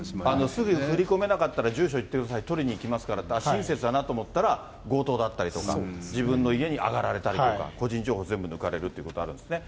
すぐに振り込めなかったら、住所言ってください、取りに行きますからって、親切だなと思ったら、強盗だったとか、自分の家に上がられたりとか、個人情報、全部抜かれるということもあるんですね。